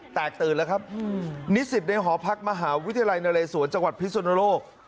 แตกตื่นแล้วครับนิสิตในหอพักมหาวิทยาลัยนเลสวนจังหวัดพิสุนโลก